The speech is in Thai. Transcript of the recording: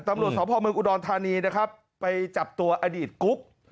ตำรวจสวพรุนกฎรทานีไปจับตัวอดีตกุ๊ก